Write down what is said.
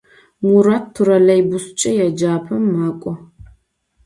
Murat trollêybusç'e yêcap'em mak'o.